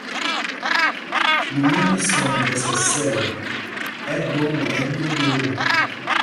Mumá mí Sɔmbɛs ɛ sɛl, ɛ do won ɛɓyoo ɓyoo.